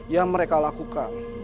yang mereka lakukan